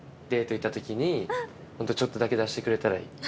行った時にホントちょっとだけ出してくれたらいい。